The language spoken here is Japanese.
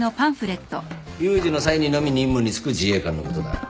有事の際にのみ任務に就く自衛官のことだ。